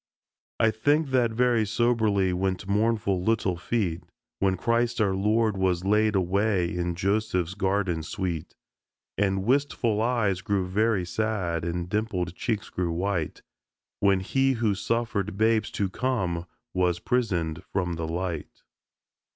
I think that very soberly went mournful little feet When Christ our Lord was laid away in Joseph's garden sweet, [Illustration: Children At Easter] And wistful eyes grew very sad and dimpled cheeks grew white, When He who suffered babes to come was prisoned from the light.